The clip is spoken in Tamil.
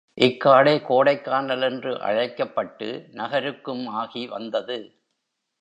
இக்காடே கோடைக்கானல் என்று அழைக்கப்பட்டு, நகருக்கும் ஆகி வந்தது.